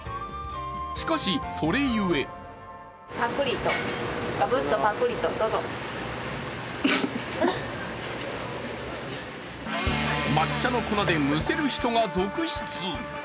しかし、それ故抹茶の粉でむせる人が続出。